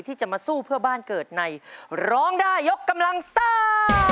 ที่จะมาสู้เพื่อบ้านเกิดในร้องได้ยกกำลังซ่า